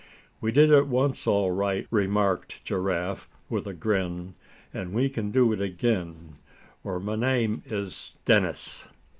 "We did it once, all right," remarked Giraffe, with a grin, "and we c'n do it again, or my name is Dennis."